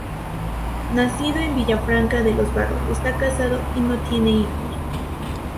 Nacido en Villafranca de los Barros, está casado y no tiene hijos.